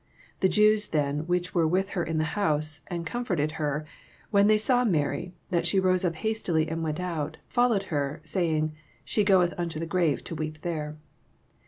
31 The Jews then which were with her in the house, and comforted her, when they saw Mary, that she rose up hastily and went out, followed her, say ing. She goeth unto the grave to weep there.